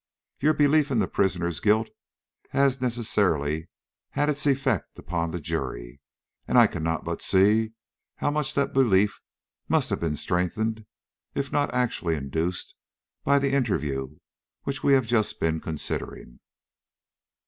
For your belief in the prisoner's guilt has necessarily had its effect upon the jury, and I cannot but see how much that belief must have been strengthened, if it was not actually induced, by the interview which we have just been considering."